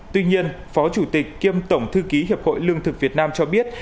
tuy nhiên phó chủ tịch kiêm tổng thư ký hiệp hội lương thực việt nam cho biết